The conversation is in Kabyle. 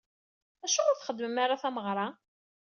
Acuɣer ur txeddmem ara tameɣra?